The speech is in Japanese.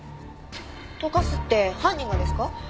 溶かすって犯人がですか？